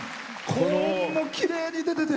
高音も、きれいに出てて。